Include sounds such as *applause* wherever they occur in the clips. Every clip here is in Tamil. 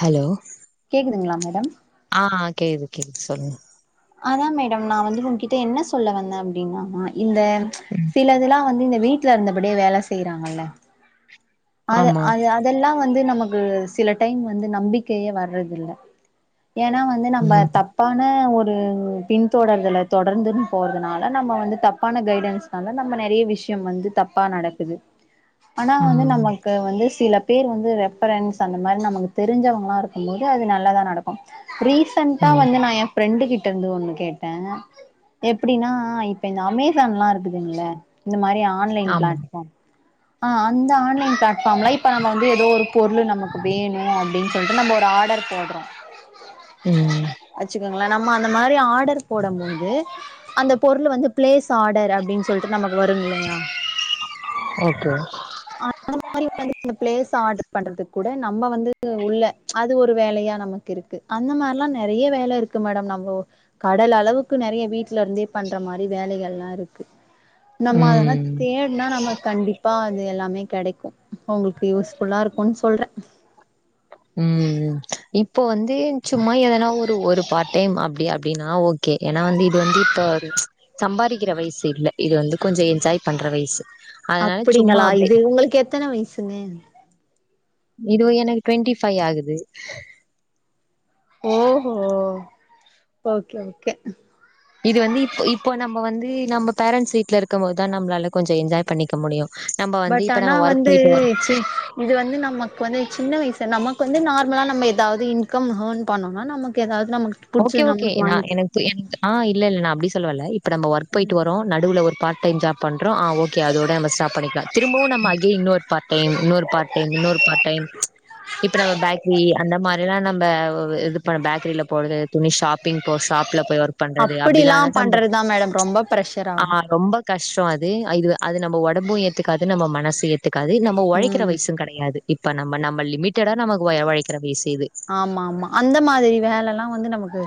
ஹலோ கேக்குதுங்களா மேடம் ஆ கேக்குது கேக்குது சொல்லுங்க அதா மேடம் நா வந்து உங்கிட்ட என்ன சொல்ல வந்தே அப்டின்னா மா இந்த ம் சிலதுலா வந்து இந்த வீட்ல இருந்தபடியே வேல செய்றாங்கல்ல அத ஆமா அது அது இதெல்லா வந்து நமக்கு சில டைம் வந்து நம்பிக்கையே வர்றதில்ல ஏனா வந் வந்து நம்ப ம் தப் ப்பான ஒரு பின்தொடர்தலை தொடர்ந்துன் போறதுனால நம்ம வந்து தப்பான கைடன்ஸ் னால நம்ம நெறைய விஷ்யம் வந்து தப்பா நடக்குது ஆனா வந்து ம் நம்ம வந்து சில பேர் வந்து ரெஃபரன்ஸ் அந்த மாரி நமக்கு தெரிஞ்சவ்ங்களா இருக்கும் போது அது நல்லதா நடக் கு ரீசெண்டா ம் வந்து நா எ ஃப்ரெண்டு கிட்ட இருந்து ஒன்னு கேட்டே எப்டினா இப்ப இந்த அமேசான்லா இருக்குதுங்ள இந்த மாரி ஆன்லைன் ஆமா பிளாட்ஃபாம் ஆ அந்த ஆன்லைன் பிளாட் ஃபாம்ல இப்ப நம்ம வந்து எதோ ஒரு பொருளு நமக்கு வேணு அப்டின் சொல்ட்டு நம்ம ஒரு ஆடர் போட்றோ ம் வச்சுக்கோங்களே நம்ம அந்த மாரி ஆடர் போடம்போது அந்த பொருளு வந்து பிளேஸ் ஆடர் அப்டின் சொல்லட்டு நமக்கு வரும் இல்லையா ஓகே ஹ *unintelligible* வந்து நம்ம பிளேஸ் ஆடர் பண்றதுக் கூட நம்ம வந்து உள்ள அது ஒரு வேலையா நமக் கிருக்கு அந்த மார்லா நெறைய வேல இருக்கு மேடம் நம்போ கடல் அளவுக்கு நெறைய வீட்லருந்தே பண்ற மாரி வேலைகள்லா இருக்கு நம்ம அதெல்லா ம் தேட்னா நம்ம கண்டிப்பா அது எல்லாமே கெடைக்கு உங்களுக்கு யூஸ்ஃபுல்லா இருக்குன் சொல்றே ம் ம் இப்ப வந்து சும்மா எதனா ஒரு ஒரு பார்ட் டைம் அப்டி அப்டினா ஓக் கே ஏனா வந்து இது வந்து இப்ப ஒரு சம்பாரிக்கிற வயசு இல்ல இது வந்து கொஞ்ச என்ஜாய் பண்ற வயசு அதனால சும்மா அப்பிடிங்களா அப்டி இது உங்களுக்கு எத்தன வயசுங்க இது எனக்கு டுவென்ட்டி ஃபைவ் ஆகுது ஓஹோ ஓகே ஓகே இது வந்து இப்ப இப்போ நம்ம வந்து நம்ம பேரண்ட்ஸ் வீட்ல இருக்கும் போதுதா நம்மளால கொஞ்ச என்ஜாய் பண்ணிக்க முடியு நம்ம வந்து பட் இப்ப ஆனா நம்ம ஒர்க் வந்து போயிட்டு வர சி இது வந்து நமக்கு வந்து சின்ன வயசு நமக்கு வந்து நார்மலா நம்ம எதாவ்து இன்கம் ஹேர்ன் பண்ணோனா நமக்கு எதாவ்து நமக் ஓகே ஓகே நா எனக்கு ஆ இல்ல இல்ல நா அப்டி சொல்ல வல்ல இப்ப நம்ம ஒர்க் போயிட்டு வரோ நடுவுல ஒரு பார்ட் டைம் ஜாப் பண்றோ ஆ ஓகே அதோட நம்ம ஸ்டாப் பண்ணிக்கலா திரும்பவு நம்ம அகைன் இன்னொரு பார்ட் டைம் இன்னொரு பார்ட் டைம் இன்னொரு பார்ட் டைம் இப்ப நம்ம பேக்கிரி அந்த மாரிலா நம்ப இது பண்ண பேக்கரில போறது துணி ஷாப்பிங் போ ஷாப்ல போய் ஒர்க் பண்றது அப்டிலா அப்படிலா எதா நம்ப பண்றதுதா மேடம் ரொம்ப ப்ரெஷர் ஆகு ஆ ரொம்ப கஷ்ட அது அ இது அது நம்ம ஒடம்பு ஏத்துக்காது நம்ம மனசு ஏத் த்துக்காது நம்ம ஒழைக்கிற ம் வயசு கெடையாது இப்ப நம்ம நம்ம லிமிட்டடா நமக்கு ஒ ஒழைக்கிற வயசு இது ஆமாம்மா அந்த மாதிரி வேலலா வந்து நமக்கு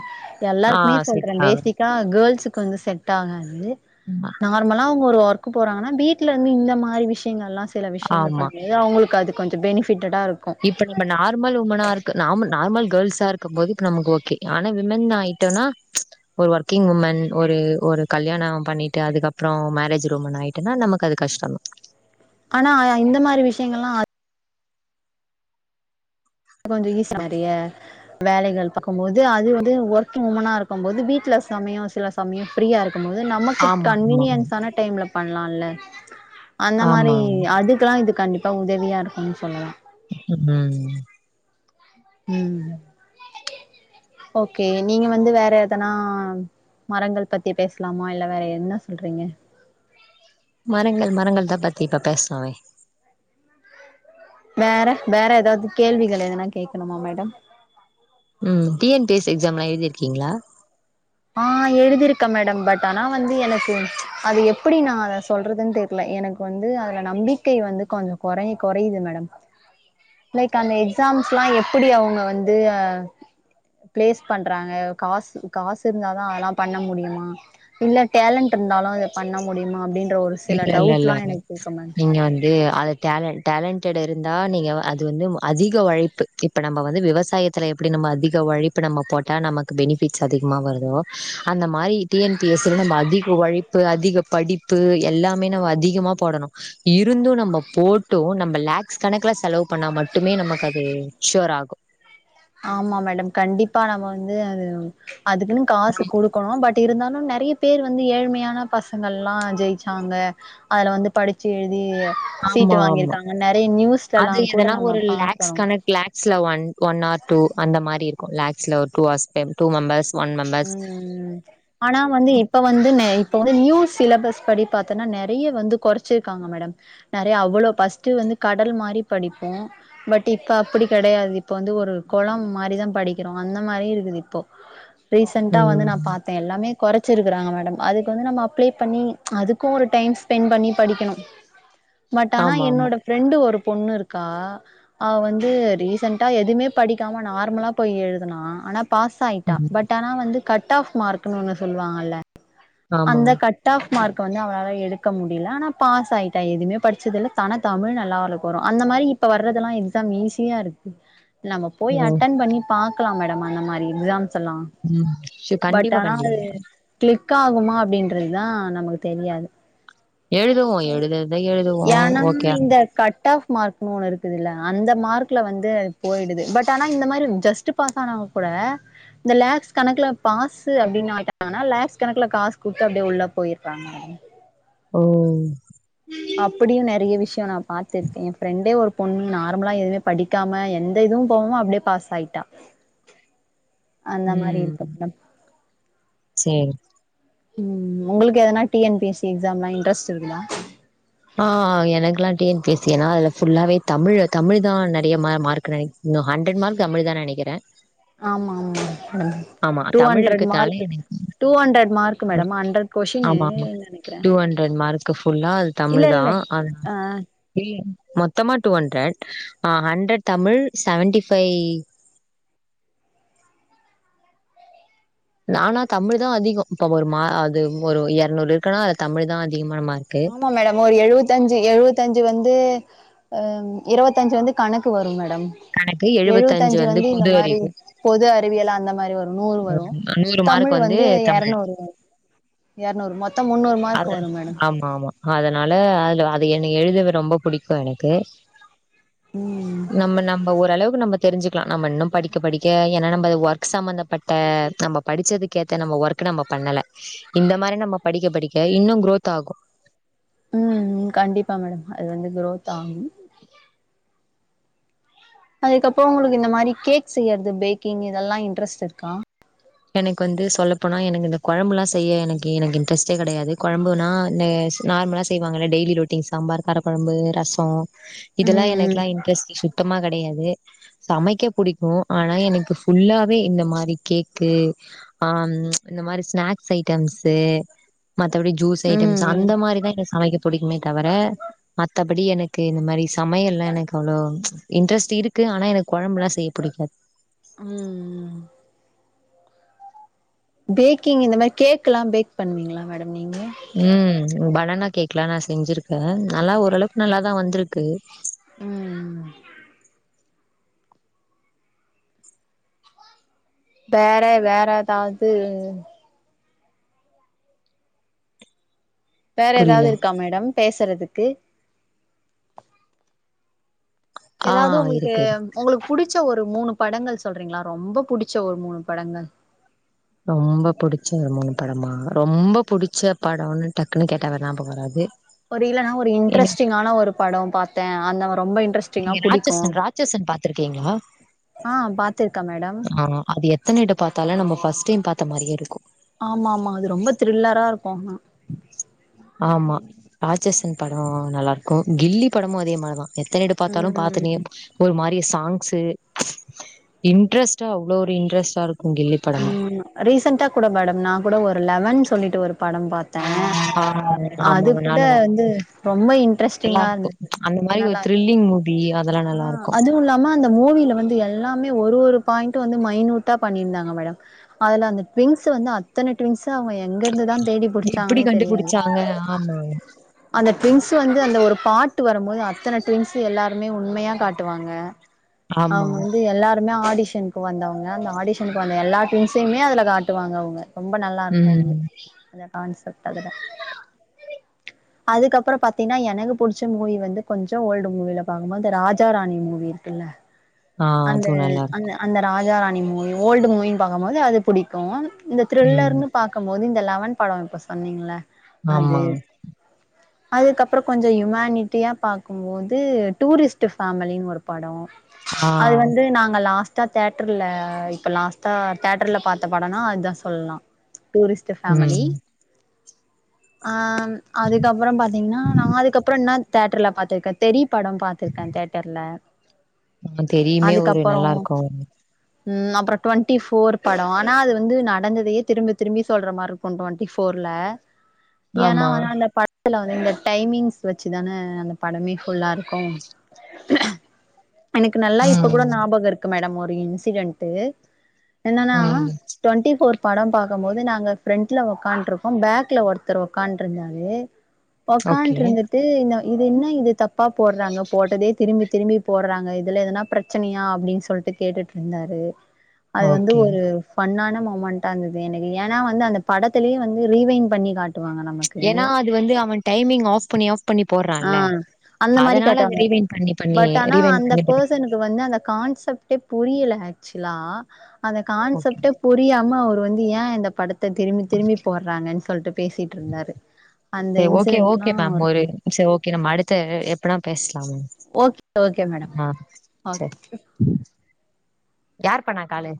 ஆ எல்லாருக்குமே சொல்றே செட் ஆகாது. பேசிக்கா கேர்ள்ஸ்க்கு வந்து செட் ஆகாது நார்மலா அவ்ங்க ஒரு ஒர்க்கு போறாங்கனா வீட்லருந்து இந்த மாரி விஷ்யங்கள்லா சில விஷ்யங்கள் ஆமா. பண்றது அவ்ங்களுக்கு அது கொஞ்ச பெனிஃபிட்டடா இருக் இப்ப நீ இப்ப நார்மல் உமனா இருக்க நார் நார்மல் கேர்ள்ஸா இருக்கும் போது இப்ப நமக்கு ஓகே ஆனா விமன் ஆயிட்டோனா ஒரு ஒர்க்கிங் உமன் ஒரு ஒரு கல்யாணம் பண்ணிட்டு அதுக்கப்புற மேரேஜ் ரூமன் ஆயி ட்டுனா நமக்கு அது கஷ்டந்தா ஆனா இந்த மாரி விஷயங்கள்லா கொஞ்ச ஈஸ வேலைகள் பாக்கும்போது அது வந்து ஒர்க்கிங் உமனா இருக்கும் போது வீட்ல சமயோ சில சம சமயோ ஃப்ரீயா இருக்கும்போது நமக்கு ஆமா ஆமா கன்வீனியன்ஸ் ஆன டைம்ல பண்லால்ல அந்த ஆமா மாரி அதுக்கெல்லா இது கண்டிப்பா உதவியா இருக்குன்னு சொல்லலா ம் ம் ஓகே நீங்க வந்து வேற எதனா மரங்கள் பத்தி பேசலாமா இல்ல வேற என்ன சொல்றீங்க மரங்கள் மரங்கள்தா பத்தி இப்ப பேசுலாமே வேற வேற எதாவது கேள்விகள் எதனா கேட்கணுமா மேடம் ம் டி என் பி எஸ் எக்ஸாம்லா எழுதி இருக்கீங்களா ஆ எழுதிருக்கேன் மேடம் பட் ஆனா வந்து எனக்கு அது எப்படி நா அத சொல்றதுன் தெரி இல்ல எனக்கு வந்து அதுல நம்பிக்கை வந்து கொஞ்ச குறை குறையுது மேடம் லைக் அந்த எக்ஸாம்ஸ்லா எப்படி அவுங்க வந்து பிளேஸ் பண்றாங்க காசு காசு இருந்தாதா அதெல்லா பண்ண முடியுமா இல்ல டேலண்ட் இருந்தாலு அத பண்ண முடியுமா அப்டின் ற ஒரு சில இல்ல இல்ல இல்ல டவுட்லா எனக்கு இருக்கு மேம் நீங்க வந்து அது டால டேலன்டட் இருந்தா நீங்க அது வந்து அதிக உழைப்பு இப்ப நம்ம வந்து விவசாயத்தில எப்படி நம்ம அதிக உழைப்பு நம்ம போட்டால் நமக்கு பெனிஃபிட்ஸ் அதிகமா வருதோ அந்த மாரி டி என் பி எஸ்ல நம்ம அதிக உழைப்பு அதிக படிப்பு எல்லாமே நம்ம அதிகமா போடணு இருந்து நம்ம போட்டு நம்ம லேக்ஸ் கணக்குல செலவு பண்ணா மட்டுமே நமக்கு அது ஃசுவர் ஆகு ஆமா மேடம் கண்டிப்பா நம்ம வந்து அது அதுக்குன்னு காசு குடு க்கனு பட் இருந்தாலு நெறைய பேர் வந்து ஏழ்மையான பசங்கள்ல்லா ஜெயிச்சாங்க அதுல வந்து படிச்சு எழுதி ஆமா சீட்டு ஆமா வாங்கியிருக்காங்க நறைய நியூஸ்ல எல்லா கூட நம்ம பாத்தோ லாக்ஸ்ல ஒன் ஒன்னார் டூ அந்த மாரி இருக்கு லாக்ஸ்ல two hours two members one members ம் ஆனா வந்து இப்ப வந்து இப்ப வந்து நியூ சிலபஸ் படி பாத்தோன்னா நெறைய வந்து கொறைச்சிருக்காங்க மேடம் நெறைய அவ்வளோ ஃபஸ்ட்டு வந்து கடல் மாரி படிப்போ பட் இப்ப அப்படி கெடையாது இப்ப வந்து ஒரு குளம் மாரிதா படிக்கிறோ அந்த மாரி இருக்குது இப்போ ரீசெண்டா வந்து நா ம் பாத் தே எல்லாமே கொறைச்சிருக்குறாங்க மேடம் அதுக்கு வந்து நம்ம அப்ளை பண்ணி அதுக்கு ஒரு டைம் ஸ்பெண்ட் பண்ணி படிக்கணு பட் ஆனா ஆமா ஆமா என்னோட ஃப்ரெண்டு ஒரு பொண்ணு இருக்கா அவ வந்து ரீசண்ட்டா எதுமே படிக்காம நார்மலா போய் எழுதுனா ஆனா பாஸ் ஆயிட்டா ம் பட் ஆனா வந்து கட் ஆஃப் மார்க்குன்னு ஒண்ணு சொல்லுவாங்கல்ல அந்த ஆமாங்க. கட் கட் ஆஃப் மார்க் வந்து அவளால எடுக்க முடியல ஆனா பாஸ் ஆயிட்டா எதுமே படிச்சது இல்ல தானா தமிழ் நல்லா அவளுக்கு வரு அந்த மாரி இப்ப வர்றதுல்லா எக்ஸாம் ஈஸியா இருக்கு நம்ம ஓ! போய் அட்டன் பண்ணி பாக்கலா மேடம் அந்த மாரி எக்ஸாம்ஸ் எல்லா ம் செரி பட் கண்டிப்பா ஆனா அது கண்டிப்பா கிளிக் ஆகுமா அப்டின்றது தா நமக்கு தெரியாது எழுதுவோ எழுதுறத எழுதுவோ ஏன்னா ஓகேயா இந்த கட் ஆஃப் மார்க் ஒன்னு இருக்குதுல அந்த மார்க்ல வந்து போயிடுது பட் ஆனா இந்த மாரி ஜஸ் ட்டு பாஸ் ஆனவங்க கூட இந்த லேக்ஸ் கணக்குல பாசு அப்டின்னு ஆய்ட்டாங்கன்னா லேக்ஸ் கணக்குல காசு குடுத்து அப்டியே உள்ள போயிருறாங்க ம் ம் ஓ அப்டியு நெறைய விஷயம் நா பாத்திருக்கே என் ஃப்ரெண்டே ஒரு பொண்ணு நார்மலா எதுமே படிக்காம எந்த இதுவு போகம அப்டியே பாஸ் ஆயிட்டா அந்த மாரி இருக்குறது தான் சேரி ம் உங்களுக்கு எதனா T N P S C எக்ஸாம்ல்லா இட்ரெஸ்ட் இருக்குதா ஆ எனக்குகெல்லா டி என் பி சி னா அதுல ஃபுல்லாவே தமிழ் தமிழ் தா நெறைய மார்க்கு நினை இன்னு ஹண்ட்ரட் மார்க் தமிழ் தானு நெனைக்கிறேன் ஆமா ஆமா ஆமா. டூ தமிழ் ஹண்ட்ரட் இருக்கிறதுனால மார்க் எனக்கு two hundred mark madam hundred question ஆமாமா. நெனைக்கிறே மார்க் ஃபுல்லா அது இல்ல தமிழ் இல்ல தான். அது ஆ மொத்தமா two hundred hundred Tamil seventy five நானா தமிழ் தா அதிகம் இப்ப ஒரு மா அது ஒரு இரநூறு இருக்குன்னா அது தமிழ் தா அதிகமான மார்க்கு ஆமா மேடம் ஒரு எழுவத்தஞ்சு எழுவத்தஞ்சு வந்து அ இருவத்தஞ்சு வந்து கணக்கு வரும் மேடம் எனக்கு எழுவத்தஞ்சு வந்து இந்த பொது மாரி அறிவு. பொது அறிவியல் அந்த மாரி வரும் நூறு வரும் ம் தமிழ் மார்க் வந்து தமிழ். இரநூறு வரும் எரநூறு மொத்தம் முன்னுறு அத மார்க் வரும் மேடம் ஆமா, ஆமா. அதனால அதுல அது என்ன எழுதவே ரொம்ப புடிக்கு எனக்கு ம் நம்ம நம்ம ஓரளவுக்கு நம்ம தெரிஞ்சுக்கலா நம்ம இன்னும் படிக்க படிக்க ஏன்னா நம்ம ஒர்க் சம்பந்த பட் ப்ப நம்ம படிச்சதுக்கு ஏத்த நம்ம ஒர்க் நம்ம பண்ணல இந்த மாரி நம்ம படிக்க படிக்க இன்னு குரோத் ஆகு ம் ம் கண்டிப்பா மேடம் அது வந்து குரோத் ஆகு அதுக்கப்பறோ உங்களுக்கு இந்த மாரி கேக் செய்றது பேக்கிங் இதெல்லா இன்ட்ரெஸ்ட் இருக்கா எனக்கு வந்து சொல்லப்போனா எனக்கு இந்த கொழம்புல்லா செய்ய எனக்கு எனக்கு இன்ட்ரெஸ்ட்டே கெடையாது கொழம்புனா நே நார்மலா செய்வாங்கள டெய்லி ரொட்டின் சாம்பார் கார குழம்பு ரசோ இதெல்லா எனக்குலா ம் இன்ட்ரெஸ்ட் சுத் த்தமா கெடையாது சமைக்க புடிக்கும் ஆனா எனக்கு ஃபுல்லாவே இந்த மாரி கேக் க்கு ஆ இந்த மாரி ஸ்நாக்ஸ் ஐடம்ஸ்சு மத்தபடி ஜூஸ் ம் ஐட்டம்ஸ் அந்த ம் மாரிதான் எனக்கு சமைக்க புடிக்குமே தவிர மத்தபடி எனக்கு இந்த மாரி சமையல்லா எனக்கு அவ்ளோ இன்ட்ரெஸ்ட் இருக்கு ஆனா எனக்கு கொழம்புல்லா செய்ய புடிக்காது ம் பேக்கிங் இந்த மாரி கேக்ல்லாம் பேக் பண்வீங்களா மேடம் நீங்க ம் பனானா கேக்கலாம் நா செஞ்சிருக்க நல்லா ஓரளவுக்கு நல்லாதான் வந்ருக்கு ம் ம் வேற வேற எதாவது வேற புரியல எதாவுது இருக்கா மேடம் பேசுறதுக்கு ஆ எதாவது உங்களுக்கு இருக்கு உங்களுக் புடிச்ச ஒரு மூணு படங்கள் சொல்றீங்களா ரொம்ப புடிச்ச ஒரு மூணு படங்கள் ரொம்ப புடிச்ச ஒரு மூணு படமா ரொம்ப புடிச்ச படனு டக்குன்னு கேட்டா ஞாபக வராது ஒரு இல்லன்னா ஒரு எனக்கு இன்ட்ரெஸ்டிங்கான ஒரு படோ பாத்த அந்த ரொம்ப இன்ட்ரஸ்ட் நீங்க ராட்சசன் ராட்சசன் பாத்துருக்கீங்களா ஆ பாத்திருக்கே மேடம் ஆ அது எத் எத்தனைட்டோ பாத்தாலு நம்ம ஃபர்ஸ்ட் டைம் பாத்த மாரியே இருக்கு ஆமா ஆமா அது ரொம்ப த்ரில்லரா இருக்கு ஆனா ஆமா ராட்சசன் படோ நல்லா இருக்கு கில்லி படமு அதே மாரி தா எத்தனைட பாத்தாலு ம் பாத்துனே ஒரு மாரிய சாங்ஸு இன்ட்ரெஸ்ட்டா அவ்ளோ ஒரு இன்ட்ரெஸ்ட்டா இருக்கு கில்லி படமு ரீசென்ட்டா கூட மேடம் நா கூட ஒரு லெவன் சொல்ட்டு ஒரு படம் பாத் த ஆ ஆமா ஆமா அது கூட நானும் தான் பாப்பேன் வந்து ரொம்ப நல்லா இன்ட்ரெஸ்டிங்கா இருந்து இருக்கும் அந்த மாரி ஒரு த்ரில்லிங் மூவி அதெல்லா ஆ நல்லா இருக்கு அதுவு இல்லாம அந்த மூவியில வந்து எல்லாமே ஒரு ஒரு பாயிண்ட்டு வந்து மைனூட்டா பண்ணிருந்தாங் க மேடம் அதுல அந்த ட்வின்ஸ் வந்து அத்தன ட்வின்ஸ் அவங்க எங்கெருந்துதா தேடி எப்டி புடிச்சாங்கன்னே தெரியாது கண்டுபுடிச்சாங்க ஆமா அந்த ட்வின்ஸ் வந்து அந்த ஒரு பாட்டு வரும்போது அத்தன ட்வின்ஸ் எல்லாருமே உண்மையா காட்டுவாங்க ஆமா. அவுங்க வந்து எல்லாருமே ஆடிஷனுக்கு வந்தவுங்க அந்த ஆடிஷனுக்கு வந்த எல்லா ட்வின்ஸுமே அதுல கா ட்டு வாங்க அவுங்க ரொம்ப நல்லாருக்கு அது ம். அந்த கான்செப்ட் அதுல அதுக்கப்புறோ பாத்தீன்னா எனக்கு புடிச்ச மூவி வந்து கொஞ்சோ ஓல்டு மூவில பாக்கும்போது இந்த ராஜா ராணி மூவி இரு க்குல ஆ அந்த அதுவும் நல்லாருக்கும். அந்த அந்த ராஜா ராணி மூவி ஓல்டு மூவின்னு பாக்கும்போது அது புடிக்கு இந்த ம். த்ரில்லர்ன்னு பாக்கும் போது இந்த லெவன் படோ இப்ப சொன்னீங்கள ஆமா அதுக்கப்புறோ கொஞ்சோ ஹியுமானிட்டியா பாக்கும் போது டூரிஸ்ட்டு ஃபேமிலின்னு ஒரு படோ ஆ. அது வந்து நாங்க லாஸ்ட் டா தேட்ர்ல இப்ப லாஸ்ட்டா தேட்ர்ல பாத்த படோனா அ இதா சொல்லா டூரிஸ்ட் டு ஃபேமிலி ம். ஆ அதுக்கப்புறோ பாத்தீங்கன்னா நா அதுக்கப்புறோ என்னா தேட்டர்ல பாத்திருக்க தெறி படோ பாத்திருக்க தேட்டர்ல ஆ தெரியுமே ஒரு அதுக்கப்பறோ நல்லாருக்கும். ம் அப்புறோ டுவெண்ட்டி ஃபோர் படோ ஆனா அது வந்து நடந்ததையே திரும்பி திரும்பி சொல்ற மாருக் கு டுவென்ட்டி ஃபோர்ல ஏனா ஆமா. வந்து அந்த படத்துல வந்து இந்த டைமிங்ஸ் வச்சுதான அந்த படமே ஃபுல்லா இரு க்கு எனக்கு நல்லா இப்ப ம். கூட ஞாபகோ இருக்கு மேடம் ஒரு இன்சிடென்ட் டு என்னன்னா ம். டுவென்ட்டி ஃபோர் படோ பாக்கும் போது நாங்க ஃப்ரென்ட்ல ஒக்கான்ட்ருக்கோ பேக்ல ஒருத்தர் ஒக்கான்ட்ருந்தா ரு ஓகே. ஒக்கான்ட்ருந்திட்டு இது என்ன இது தப்பா போடுறாங்க போட்டதே திரும்பி திரும்பி போடுறாங்க இதுல எதனா பிரச்சனையா அப்டின்னு சொல்ட்டு கேட்டுட்ருந்தாரு அது வந்து ஓகே. ஒரு ஃபன்னான மூமெண்ட்டா இருந்துது எனக்கு ஏனா வந்து அந்த படத்தலுயே வந்து ரீவைன் பண்ணி காட்டுவாங்க நமக் ஏனா அது வந்து அவ டைமிங் ஆஃப் பண்ணி ஆஃப் பண்ணி ஆ போடுறான்ல அந்த மாரி அதனால அது காட்டுவாங்க ரீவைண் பண்ணி பண்ணி பட் ஆனா ரீவைண் அந்த பண்ணி பண்ணி பர்சனுக்கு வந்து அந்த கான்செப்டே புரியல ஆக்சுவலா அந்த ஓகே. கான்செப்டே புரி புரியாம அவர் வந்து ஏ இந்த படத்த திரும்பி திரும்பி போடுறாங்கன்னு சொல்ட்டு பேசிட்டுருந்தாரு ஓகே ஓகே மேம் ஒரு சேரி ஓகே நம்ம அடுத்த எப்பனா பேசலா ma'am okay okay madam okay யாரு பண்ணா காலு